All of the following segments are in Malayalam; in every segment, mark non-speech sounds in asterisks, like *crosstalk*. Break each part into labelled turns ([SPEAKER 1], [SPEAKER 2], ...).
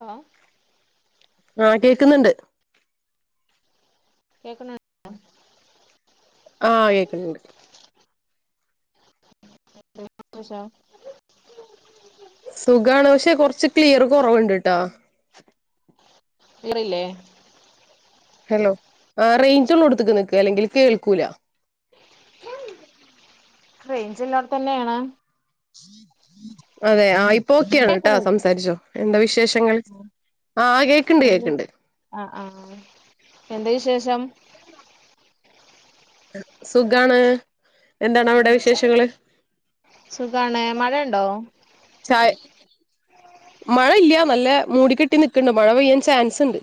[SPEAKER 1] ആ
[SPEAKER 2] ആ കേക്കുന്നുണ്ട്
[SPEAKER 1] കേക്കണ
[SPEAKER 2] ആ കേക്കുന്നുണ്ട്
[SPEAKER 1] അച്ച *unintelligible*
[SPEAKER 2] സുഖാണ് പക്ഷെ കൊറച്ച് ക്ലിയർ കുറവുണ്ട്ട്ടോ
[SPEAKER 1] ക്ലിയറില്ലേ
[SPEAKER 2] ഹലോ ആ റേഞ്ച് ഉള്ള കൊടുത്തക്ക് നിക്ക് അല്ലെങ്കിൽ കേൾക്കൂല
[SPEAKER 1] ഉം *unintelligible* റെയിഞ്ച് ഇല്ലാത്തത് തന്നെയാണ്
[SPEAKER 2] അതെ ആ ഇപ്പൊ ഒക്കെയാണ് കേട്ടാ
[SPEAKER 1] കേക്കണ്
[SPEAKER 2] സംസാരിച്ചോ എന്താ വിശേഷങ്ങൾ ആഹ് കേക്ക്ണ്ട്
[SPEAKER 1] എന്ത്
[SPEAKER 2] കേക്ക്ണ്ട്
[SPEAKER 1] ആ ആ എന്ത വിശേഷം
[SPEAKER 2] സുഖാണ് എന്താണ് അവിടെ വിശേഷങ്ങൾ
[SPEAKER 1] സുഖാണ് മഴയുണ്ടോ
[SPEAKER 2] ചായ മഴ ഇല്ല നല്ല മൂടികെട്ടി നിക്കണ്ട് മഴ പെയ്യാൻ ചാൻസ് ഉണ്ട്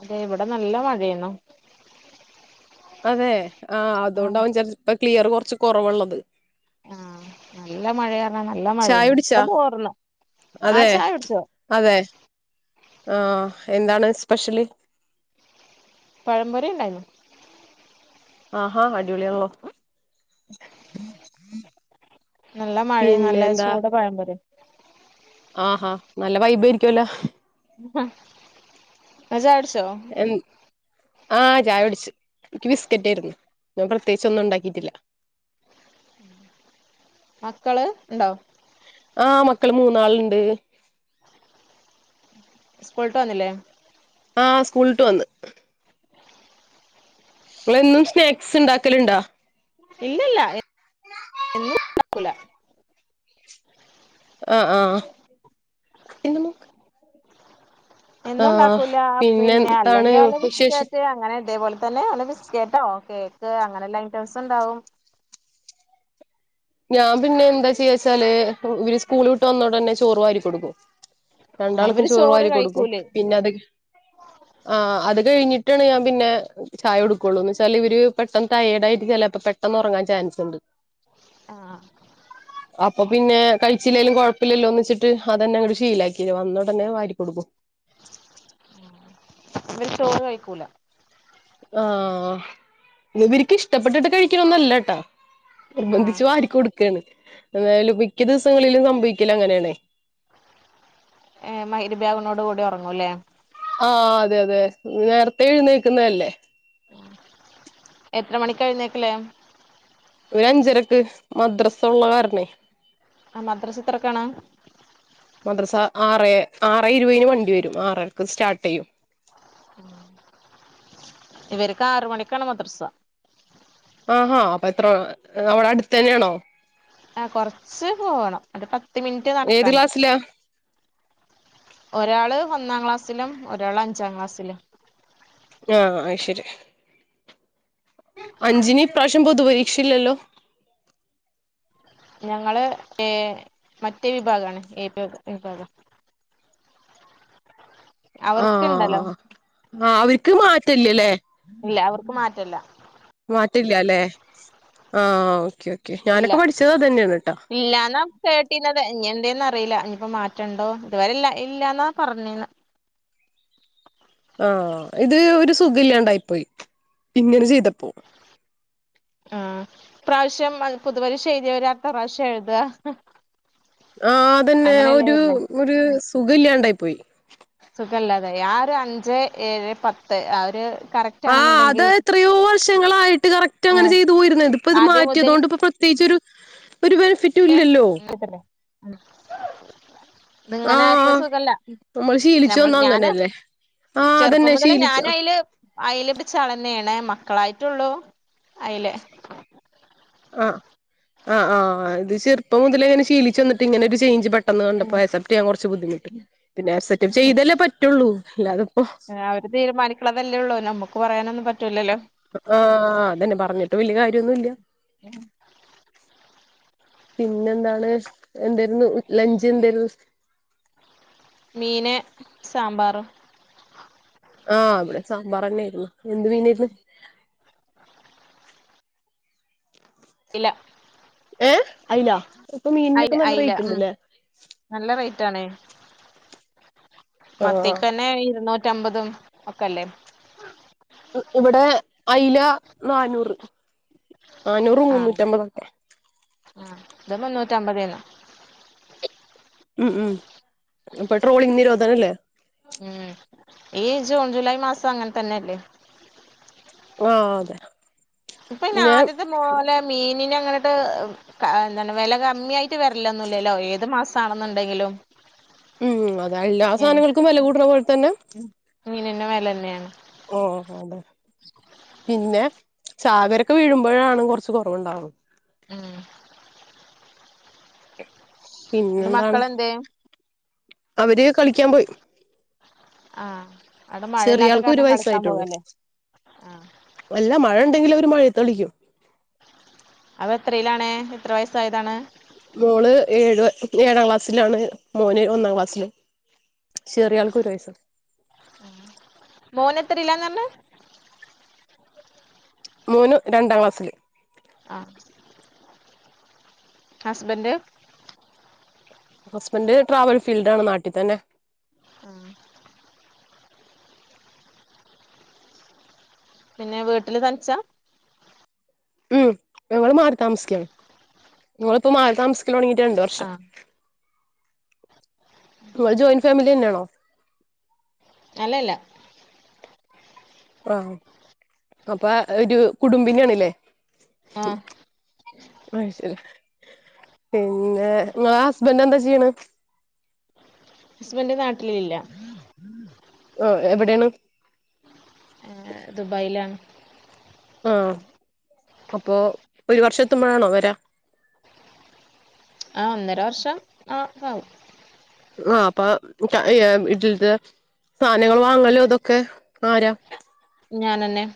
[SPEAKER 1] അതെ ഇവിടെ നല്ല മഴയന്നോ
[SPEAKER 2] അതെ ആ അതുകൊണ്ടാവൻ ചെന്ന്ഇപ്പോ ക്ലിയർ കുറച്ച് കുറവുള്ളത്
[SPEAKER 1] ആ നല്ല മഴയാ നല്ല
[SPEAKER 2] ചായ
[SPEAKER 1] മഴയാണ് ഇപ്പൊ
[SPEAKER 2] കുടിച്ചാ
[SPEAKER 1] തോർന്ന് ആ
[SPEAKER 2] അതെ
[SPEAKER 1] ചായ കുടിച്ചോ
[SPEAKER 2] അതെ ആ എന്താണ് സ്പെഷ്യല്
[SPEAKER 1] പഴം പൊരി ഉണ്ടായിരുന്നു
[SPEAKER 2] ആ അടിപൊളിയല്ലോ
[SPEAKER 1] നല്ല മഴയും നല്ല ചൂട് പഴം പൊരിയും
[SPEAKER 2] ആഹാ നല്ല വൈബ് ആയിരിക്കുവല്ലോ
[SPEAKER 1] ഹജർ സോ *unintelligible*
[SPEAKER 2] ആ ചായ പിടിച്ചു എനിക്ക് ബിസ്ക്കറ്റ് ആയിരുന്നു ഞാൻ പ്രത്യേകിച്ച് ഒന്നും ഉണ്ടാക്കിട്ടില്ല
[SPEAKER 1] മക്കള് ഉണ്ടോ
[SPEAKER 2] ആ മക്കള് മൂന്നാളുണ്ട്
[SPEAKER 1] പോയിട്ട് വന്നില്ലേ
[SPEAKER 2] ആഹ സ്കൂളിട്ട് വന്ന് എന്നും സ്നാക്സ് ഉണ്ടാക്കലുണ്ടാ
[SPEAKER 1] ഇല്ലല്ല എന്നും ഉണ്ടാ
[SPEAKER 2] ആ ആ എ നോക്ക്
[SPEAKER 1] എന്നും ഉണ്ടാക്കൂല പിന്നെ
[SPEAKER 2] എന്താണ്
[SPEAKER 1] അല്ലെങ്കിൽ
[SPEAKER 2] വിശേഷം
[SPEAKER 1] ബിസ്ക്കറ്റ് അങ്ങനെ ഇതേപോലെ തന്നെ ബിസ്കറ്റോ കേക്ക് അങ്ങനെല്ലാ ഐറ്റംസ് ഉണ്ടാവും
[SPEAKER 2] ഞാൻ പിന്നെ എന്താ ചെയ്യച്ചാല് ഇവര് സ്കൂള വിട്ട് വന്നോടെ തന്നെ ചോറ് വാരി കൊടുക്കും രണ്ടാൾക്കും
[SPEAKER 1] ഇവര്
[SPEAKER 2] ചോറ് വാരി കൊടുക്കും
[SPEAKER 1] കഴിക്കൂലേ
[SPEAKER 2] പിന്നെ അത് ആ അത് കഴിഞ്ഞിട്ട് വിട്ടാണ് ഞാൻ പിന്നെ ചായ കൊടുക്കുകയുള്ളൂ വെച്ചാല് ഇവര് പെട്ടെന്ന് ടയേഡ് ആയിരിക്കുകയല്ലേ ചിലപ്പോ പെട്ടെന്ന് ഉറങ്ങാൻ ചാൻസ് ഉണ്ട്
[SPEAKER 1] ആഹ്
[SPEAKER 2] അപ്പൊ പിന്നെ കഴിച്ചില്ലേലും കൊഴപ്പില്ലല്ലോ ഒന്ന് വച്ചിട്ട് ് അത്തന്നെ അ ഷീലാക്കില്ല വന്നോടനെ തന്നെ വാരി കൊടുക്കും
[SPEAKER 1] ഇ ചോറ് കഴിക്കൂല
[SPEAKER 2] ആ ഇവക്ക് ഇഷ്ടപ്പെട്ടിട്ട് കഴിക്കണൊന്നല്ലട്ടാ
[SPEAKER 1] ആഹ്
[SPEAKER 2] നിർബന്ധിച്ച് വാരിക്ക കൊടുക്കയാണ് എന്തായാലും മിക്ക ദിവസങ്ങളിലും സംഭവിക്കല ങ്ങനെയണ്
[SPEAKER 1] ഏ മയിരിബാഗനോട് കൂടി ഉറങ്ങൂല്ലേ
[SPEAKER 2] ആ അതെ അതെ നേരത്തെ എഴുന്നേക്കുന്നതല്ലേ
[SPEAKER 1] എത്ര മണിക്കഴുന്നേക്കലേ
[SPEAKER 2] ഒരു അഞ്ചരക്ക് മദ്രസ ഉള്ള കാരണേ
[SPEAKER 1] ആ മദ്രസ്ത്രക്കാണോ
[SPEAKER 2] ആറ ആറ് ഇരുപന് വണ്ടി വരും ആറക്ക സ്റ്റാർട്ട് ചെയ്യും
[SPEAKER 1] ഇവരക്ക ആറ മണിക്കാണ് മദ്രസ
[SPEAKER 2] ആഹാ അപ്പൊ എത്ര അവിടെ അടുത്ത തന്നെയാണോ
[SPEAKER 1] ആഹ കൊറച്ച് പോകണം അ പത്ത് മിനിറ്റ്
[SPEAKER 2] ഏത്
[SPEAKER 1] നടക്കാന്
[SPEAKER 2] ക്ലാസ്സിലാ
[SPEAKER 1] ഒരാള് ഒന്നാം ക്ലാസിലും ഒരാള് അഞ്ചാം ക്ലാസ്സിലും
[SPEAKER 2] ആ അയ് ശരി അഞ്ചിന് ഇപ്രാവശ്യം പൊതു പരീക്ഷയില്ലല്ലോ
[SPEAKER 1] ഞങ്ങള് ഏ മറ്റേ വിഭാഗമാണ് വിഭാഗം എ വിവിഭാഗ
[SPEAKER 2] ആ ആ അവർക്ക് മാറ്റല്ലല്ലേ
[SPEAKER 1] ക്ക് മാറ്റല്ല
[SPEAKER 2] പറ്റില്ലല്ലേ ആ ഓക്കെ ഓക്കെ
[SPEAKER 1] ഇല്ല
[SPEAKER 2] ഞാനൊക്കെ പഠിച്ചത് അത് തന്നെയാണ് ട്ടാ
[SPEAKER 1] ഇല്ലന്നാ കേട്ടീത് ഇനി എന്തെന്ന റിയില്ല ഇപ്പ മാറ്റണ്ടോ ഇതുവരെല്ല ഇല്ലന്നാ പറഞ്ഞീന്ന്
[SPEAKER 2] ആ ഇത് ഒരു സുഖം ഇില്ലാണ്ടായിപ്പോയി ഇങ്ങനെ ചെയ്തപ്പോ
[SPEAKER 1] ആ പ്രാവശ്യം പുതു പരീഷ എഴുതിയവര് അട്ത്ത പ്രാവശ്യം എഴുതുക
[SPEAKER 2] ആ അതന്നെ ഒരു ഒരു സുഖ ഇല്ലാണ്ടായി പോയി
[SPEAKER 1] ക്കല്ലാതെ ആ ഒരു അഞ്ച് ഏഴ് പത്ത് ആ ഒരു കറക്റ്റ്
[SPEAKER 2] ആഹ് അത്
[SPEAKER 1] ആണെന്നുണ്ടെങ്കി
[SPEAKER 2] എത്രയോ വർഷങ്ങളായിട്ട് കറക്റ്റ് അങ്ങനെ
[SPEAKER 1] ആഹ്
[SPEAKER 2] ചെയ്ത് പോയിരുന്നത് ഇപ്പൊ ഇത്
[SPEAKER 1] ആദ്യം
[SPEAKER 2] മാറ്റി
[SPEAKER 1] മുതൽ
[SPEAKER 2] അതുകൊണ്ട് പ്രത്യേകിച്ചരു ഒരു ബെനിഫിറ്റ ല്ലല്ലോ
[SPEAKER 1] ഇത്ങ്ങനെ ആയപ്പോ ഒരു
[SPEAKER 2] ആഹ്
[SPEAKER 1] സുഖല്ല
[SPEAKER 2] നമ്മൾ ശീലിച്ചു
[SPEAKER 1] നമ്മൾ
[SPEAKER 2] വന്ന
[SPEAKER 1] ഞാന്
[SPEAKER 2] അങ്ങനെയല്ലേ ആഹ്
[SPEAKER 1] ചെറുപ്പം
[SPEAKER 2] അതന്നെ
[SPEAKER 1] മുതലേ
[SPEAKER 2] ശീലിച്ചു
[SPEAKER 1] ഞാനും അതില് അയിലപിച്ച ആള തന്നെയണേമ്മ മക്കളായിട്ടുള്ളൂ അയില്ലേ
[SPEAKER 2] ആഹ ആത് ചെറപ്പം മുതലേ ഇങ്ങനെ ശീലിച്ച വന്നിട്ട് ഇങ്ങനെ ഒരു ചേഞ്ച് പ പെട്ടെന്ന് കണ്ടപ്പോ
[SPEAKER 1] ഉം
[SPEAKER 2] അ ആസപ്റ്റ് ചെയ്യാൻ കുറു ബുദ്ധിമുട്ട് പിന്നെ ആക്സെറ്ററ്റ് ചെയ്തല്ലേ പറ്റുള്ളൂ അല്ലാതെ
[SPEAKER 1] അവര് തീരുമാനിക്കുള്ളതല്ലേ ഉള്ളൂ നമുക്ക് പറയാനൊന്നും പറ്റി
[SPEAKER 2] ആ അതന്നെ പറഞ്ഞിട്ട് വലിയ കാര്യമൊന്നുംല്ല
[SPEAKER 1] *unintelligible*
[SPEAKER 2] പിന്നെ എന്താണ് എന്തായിരുന്നു ലഞ്ച് എന്തായിരുന്നു
[SPEAKER 1] മീന സാമ്പാർ
[SPEAKER 2] ആ അവിടെ സാമ്പാർന്നൊയിരുന്നു എന്ത് മീനയിരുന്നു
[SPEAKER 1] ഇില
[SPEAKER 2] ഏ അയില്ല ഇപ്പൊ മീനിനൊക്കെ നല്ല റേറ്റ് ഉണ്ടല്ലേ
[SPEAKER 1] *unintelligible*
[SPEAKER 2] ആഹ്
[SPEAKER 1] മത്തേക്കന്നെ ഇരുന്നൂറ്റ നറ്റമ്പതും ഒക്കെല്ലേ
[SPEAKER 2] ഇവിടെ അയില നാന്നൂറ് നാനൂറ്
[SPEAKER 1] ആഹ്
[SPEAKER 2] മുന്നൂറ്റി അമ്പതൊക്കെ
[SPEAKER 1] റ്റമ്പ തേനു
[SPEAKER 2] ഉം ഉം ഇപ്പൊ ട്രോളിങ് നിരോധനല്ലേ
[SPEAKER 1] ഉം ഈ ജൂൺ ജൂലൈ മാസം അങ്ങനെ തന്നെല്ലേ
[SPEAKER 2] ആ അതെ
[SPEAKER 1] ഇപ്പൊ ഇന്നെ
[SPEAKER 2] പിന്നെ
[SPEAKER 1] ആദ്യത്തെ മോലെ മീൻ പിന്ന അങ്ങനട്ട് എന്ത വില കമ്മിയ ആയിട്ട് വരന്ല്ലല്ലോ ഏത് മാസം ആണെന്നുണ്ടെങ്കിലും
[SPEAKER 2] ഉം അത എല്ലാ സാധനങ്ങൾക്കും വില കൂടണ പോലെ തന്നെ
[SPEAKER 1] മീന് ന് വെലന്നെണ്
[SPEAKER 2] ഓ അതെ പിന്നെ ചാവരൊക്കെ വീഴുമ്പോഴാണ് കൊർച്ച് കൊറവ്ണ്ടാവു
[SPEAKER 1] ഉം നിന്റെ
[SPEAKER 2] പിന്നെന്താണ്
[SPEAKER 1] മക്കളെന്തേ
[SPEAKER 2] അവര് കളിക്യാ പോയി
[SPEAKER 1] ആ
[SPEAKER 2] ചെറിയ ആൾക്ക് ഒരു വയസായിട്ടൊള്ളൂ
[SPEAKER 1] ആഹ്
[SPEAKER 2] നല്ല മഴണ്ടെങ്കില് മഴത്തളിക്കും
[SPEAKER 1] എത്രയ്ലാണ് എത്ര വയസ്സായതാണ്
[SPEAKER 2] മോള് ഏഴ് ഏഴാം ക്ലാസ്സിലാണ് മോന് ഒന്നാം ക്ലാസ്സിലും ചെറിയ ആൾക്ക് ഒരു വയസും
[SPEAKER 1] എത്രിലാന്നർഞ്ഞി
[SPEAKER 2] മോനു രണ്ടാം ക്ലാസ്സില്
[SPEAKER 1] ആ ഹസ്ബൻ്റ്
[SPEAKER 2] ഹസ്ബന്ഡ് ട്രാവൽ ഫീൽഡാണ് നാട്ടി തന്നെ
[SPEAKER 1] ആഹ് പിന്നെ വീട്ടില് തൻച്ചാ
[SPEAKER 2] ഉം ഞങ്ങള് മാറി താമസിക്കാണ് ഞങ്ങളിപ്പോ മാറി താമസ് സ്കലൊട്ങീട്ട് രണ്ട് വർഷം ഇങ്ങള് ജോയിന്റ് ഫാമിലെന്നെണോ
[SPEAKER 1] അല്ലല്ല
[SPEAKER 2] ആ അപ്പൊ ഒരു കുടുംബിനാണ്ല്ലേ
[SPEAKER 1] ആഹ്
[SPEAKER 2] അത് ശെരി പിന്നെ ഇങ്ങളെ ഹസ്ബൻ്റെന്താ ചെയ്യ്ണെ
[SPEAKER 1] ഹസ്ബൻ്റ് നാട്ടിലില്ല
[SPEAKER 2] ആ എവിടെണ്
[SPEAKER 1] ഏ ദുബൈലാണ്
[SPEAKER 2] ആ അപ്പൊ ഒരു വർഷത്തെമ്പഴാണോ വരാ
[SPEAKER 1] ആ ഒന്നര വർഷം ആ ആകും
[SPEAKER 2] ആ അപ്പ വീട്ടിൽത്തെ സാനങ്ങള് വാങ്ങലു ഇതൊക്കെ ആരാ
[SPEAKER 1] ഞാനെന്നെ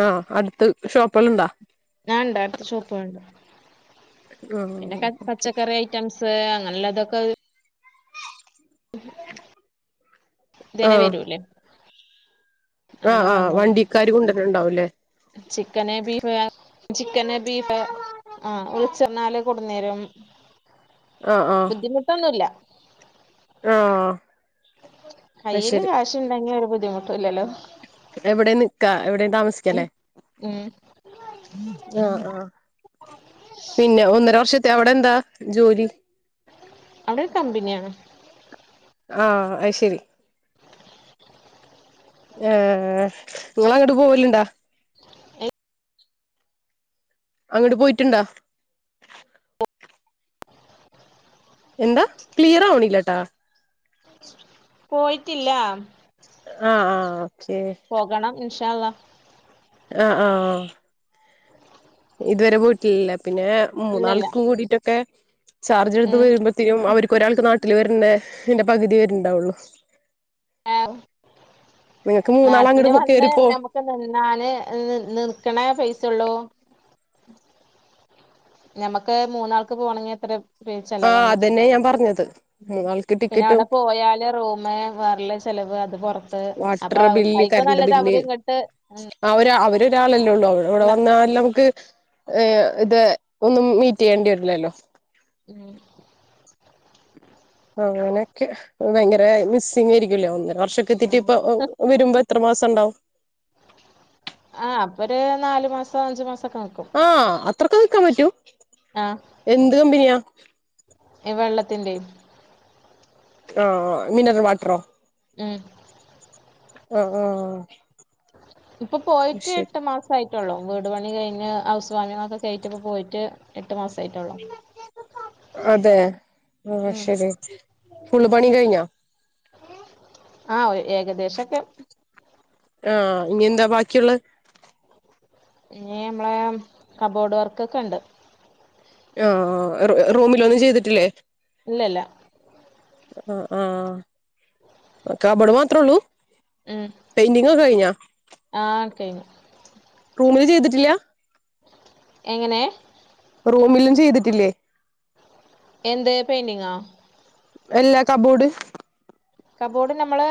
[SPEAKER 2] ആഹ് അടുത്ത് ഷോപ്പെല്ലം ഇണ്ടോ
[SPEAKER 1] ആ ഇണ്ട് അട്ത്ത ഷോപ്പാള്ണ്ട് പിന്നെ
[SPEAKER 2] ആഹ്
[SPEAKER 1] ക
[SPEAKER 2] ഓക്കെ
[SPEAKER 1] പച്ചക്കറി ഐറ്റംസ് നല്ലതൊക്കെ
[SPEAKER 2] *unintelligible* ആഹ്
[SPEAKER 1] നവരൂലേ
[SPEAKER 2] ആഹ്
[SPEAKER 1] അങ്ങനെ
[SPEAKER 2] ആഹ്
[SPEAKER 1] വാങ്ങും
[SPEAKER 2] വണ്ടിക്കാര് കൊണ്ടുവരുന്നുണ്ടാവുംല്ലേ
[SPEAKER 1] ചിക്കന്, ബീഫ് ചിക്കന്, ബീഫ് ആ വിൾച്ചർഞ്ഞാല് കൊട്ന്നേരും
[SPEAKER 2] ആഹ് ആഹ്
[SPEAKER 1] ബുദ്ധിമുട്ടൊന്നുല്ല
[SPEAKER 2] ആഹ് അത്
[SPEAKER 1] കയ്യില്
[SPEAKER 2] ശരി
[SPEAKER 1] കാശുണ്ടെങ്കി ഒരു ബുദ്ധിമുട്ടുംല്ലല്ലോ
[SPEAKER 2] എവിടെയും നിക്കാ എവിടെം താമസിക്കലേ
[SPEAKER 1] ഉം
[SPEAKER 2] ആ ആ പിന്നെ ഒന്നര വർഷത്തെ അവിടെ എന്താ ജോലി
[SPEAKER 1] അവിടെ കമ്പനിയാണ്
[SPEAKER 2] ആഹ് അത് ആ ഇങ്ങള അങ്ങട്ട് പോവല്ണ്ടോ അങ്ങട്ട് പോയ്ട്ട്ണ്ടാ എന്താ ക്ലിയറാവ്ണ്ല്ലട്ടാ
[SPEAKER 1] പോയിട്ടില്ല
[SPEAKER 2] ആ ആ
[SPEAKER 1] പോകണം ഇൻഷാഅല്ലാഹ്
[SPEAKER 2] ആ ആഹ് ഇതുവരെ പോയിട്ടില്ലല്ലേ പിന്നേ
[SPEAKER 1] ഇല്ലല്ല
[SPEAKER 2] മൂന്നാൾക്കും കൂടിട്ടൊക്കെ ചാർജെടുത്ത്
[SPEAKER 1] ഉം
[SPEAKER 2] വരുമ്പോഴത്തേനും അവർക്കൊരാൾക്ക് നാട്ടില് വര്ണ്ന്റെ പകുതി വരണ്ടാവുള്ളു
[SPEAKER 1] ആഹ്
[SPEAKER 2] നിങ്ങക്ക് മൂന്നാള്
[SPEAKER 1] നാട്ടില്
[SPEAKER 2] അങ്ങോട്ട്
[SPEAKER 1] വന്ന്
[SPEAKER 2] കേറിപ്പോ
[SPEAKER 1] നമ്മുക്ക് നിന്നാല് നിർക്കണേ പൈസൊള്ളൂ ഞമ്മക്ക് മൂന്നാൾക്ക് പോണെങ്കിൽ അത്ര
[SPEAKER 2] ആഹ് അതെന്നെ ഞാൻ പറഞ്ഞ
[SPEAKER 1] പിന്നെ അവിടെ പോയാല് റൂമ് വേറള്ള ചെലവ് പൊറത്ത് അപ്പൊ അവർ
[SPEAKER 2] വാട്ടർബില്ല്
[SPEAKER 1] അയിക്കും നല്ലത്
[SPEAKER 2] കറണ്ട്ബില്ല്
[SPEAKER 1] അവര് ഇങ്ങട്ട്
[SPEAKER 2] അവര് അവ ഒരാളെല്ലേ ഉള്ളൂ അവര് അവിടെ
[SPEAKER 1] വരണത്
[SPEAKER 2] വന്നാൽ നമുക്ക് ഏ ഇത് ഒന്നും മീറ്റിയ്യേണ്ടി വരില്ലല്ലോ
[SPEAKER 1] ഉം ഹ്..
[SPEAKER 2] അങ്ങനെയൊക്കെ ഭയങ്കര മിസ്സിങ്യിരിക്കല്ലോ വന്നാ വർഷക്കെത്തീറ്റ്
[SPEAKER 1] ആഹ്
[SPEAKER 2] ഇപ്പ വ വരുമ്പോ എത്ര മാസംണ്ടാവും
[SPEAKER 1] ആ അപ്പൊര് നാലു മാസം അഞ്ചു മാസം
[SPEAKER 2] ആ അത്രക്കെ നിക്കാൻ പറ്റും എന്ത് കമ്പനിയാ
[SPEAKER 1] വെള്ളത്തിന്റെയ്
[SPEAKER 2] ആ ആ മിനറൽ വാട്ടറോ
[SPEAKER 1] ഉം
[SPEAKER 2] അ ഉം ഉം
[SPEAKER 1] ഇപ്പൊ പോയിട്ട് എട്ട് മാസായി ഉള്ളു വീട് പണി കഴിഞ്ഞ് ഹൗസ് വാമിങ്ങോക്കെയ്റ്റ് പോയിറ്റ് എട്ട് മാസായിട്ടള്ളൂ
[SPEAKER 2] അതേ ആ
[SPEAKER 1] ഉം
[SPEAKER 2] ശരി ഫുൾപണി കഴിഞ്ഞോ
[SPEAKER 1] ആ ഏകദേശൊക്കെ
[SPEAKER 2] ആ ഇനിയെന്താ ബാക്കിയുള്ള
[SPEAKER 1] ഇനി നമ്മളേ കബോർഡ് വർക്കൊക്കെണ്ട്
[SPEAKER 2] ആ റു റൂമിലൊന്നും ചെയ്തിട്ടില്ലേ
[SPEAKER 1] ഇല്ലല്ല
[SPEAKER 2] ആ ആ കബോർഡ് മാത്രഉള്ളൂ
[SPEAKER 1] ഉം
[SPEAKER 2] പെയിന്റിങ്ങൊക്കെ കഴിഞ്ഞ
[SPEAKER 1] ആഹ് കഴിഞ്ഞു
[SPEAKER 2] റൂമിൽ ചെയ്തിട്ട ഇല്ലാ
[SPEAKER 1] എങ്ങനേ
[SPEAKER 2] റൂമിലും ചെയ്തിട്ടില്ലേ
[SPEAKER 1] എന്ത് പെയിന്റിങ്ങാ
[SPEAKER 2] എല്ലാ കബോർഡ്
[SPEAKER 1] കബോർഡ് നമ്മള്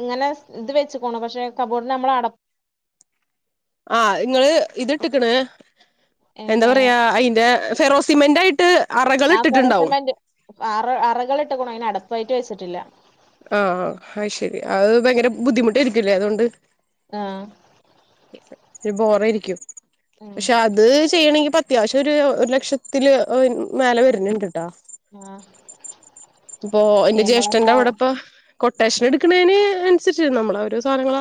[SPEAKER 1] ഇങ്ങനെ ഇത് വെച്ച്ക്ക്ണു പക്ഷെ കബോർഡിനമ്മൾ അട
[SPEAKER 2] ആ നിങ്ങള് ഇത് ഇട്ടിക്ക്ണ് എന്താ
[SPEAKER 1] എങ്ങനെ
[SPEAKER 2] പറയാ അതിന്റെ ഫെറോസിമെന്റായിട്ട് അറകൾ
[SPEAKER 1] ആ
[SPEAKER 2] ഇട്ടിട്ടുണ്ടാവും
[SPEAKER 1] ഫെറോസെമന്റ് അറ അറകൾ ഇട്ട്ക്ക്ണു അതിന് അടപ്പായിട്ട് വെച്ചിട്ടില്ല
[SPEAKER 2] ആ ആ അയ്ശരി അത് ഭയങ്കര ബുദ്ധിമുട്ടായിരിക്കുല്ലേ അതുകൊണ്ട്
[SPEAKER 1] ആ
[SPEAKER 2] ഒരു ബോറയിരിക്കും പക്ഷെ അത് ചെയ്യണങ്കി അത്യാവശ്യം ഒരു ഒരു ലക്ഷത്തില് ഏ മേലെ വര്ണണ്ട്ട്ടാ
[SPEAKER 1] ആ
[SPEAKER 2] പ്പോ എന്റെ ജ്യേഷ്ഠന്റെ അവിടെപ്പ കൊട്ടേഷൻ എടുക്കണേന് അനുസരിച്ച് നമ്മളോരോ സാനങ്ങള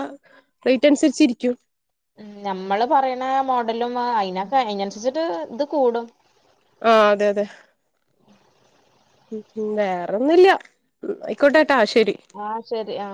[SPEAKER 1] ഉം നമ്മള് പറയണ മോഡലും അയിന ക അയിനനുസരിച്ചിട്ട് ഇത് കൂടും
[SPEAKER 2] ആ അതെ അതെ ഉ വേറൊന്നും ല്ല ആയിക്കോട്ടെ
[SPEAKER 1] ആ ശരി ആ